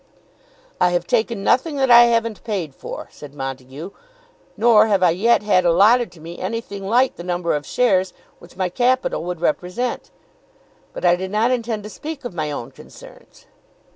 "I have taken nothing that I haven't paid for," said Montague. "Nor have I yet had allotted to me anything like the number of shares which my capital would represent. But I did not intend to speak of my own concerns."